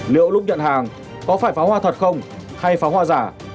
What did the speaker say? liệu lúc nhận hàng có phải pháo hoa thật không hay pháo hoa giả